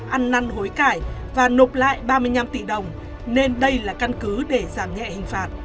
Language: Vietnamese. ăn năn hối cải và nộp lại ba mươi năm tỷ đồng nên đây là căn cứ để giảm nhẹ hình phạt